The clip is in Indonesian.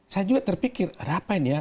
saya juga terpikir rapen ya